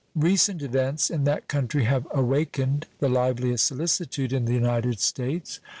Recent events in that country have awakened the liveliest solicitude in the United States.